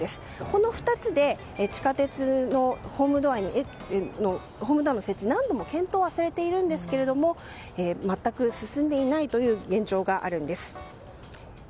この２つで地下鉄のホームドアの設置何度も検討はされているんですけれども全く進んでいないという現状があるんです。